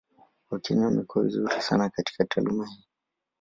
Wakenya wamekuwa vizuri sana katika taaluma hii.